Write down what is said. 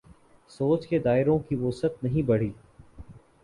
سوچ کے دائروں کی وسعت نہیں بڑھی۔